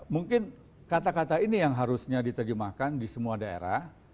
mungkin kata kata ini yang harusnya diterjemahkan di semua daerah